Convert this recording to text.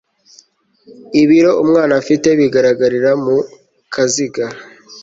ibiro umwana afite bigaragarira mu kaziga